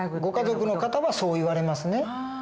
ご家族の方はそう言われますね。